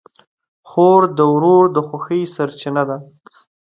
خور د ورور د خوښۍ سرچینه ده.